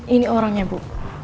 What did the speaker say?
ini orangnya bu